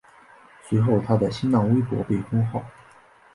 随后他的新浪微博被封号。